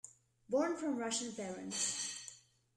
Born from Russian parents.